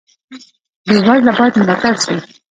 بې وزله باید ملاتړ شي